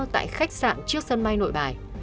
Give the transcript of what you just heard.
tại khách sạn trước sân bay nội bài